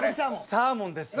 サーモンですね。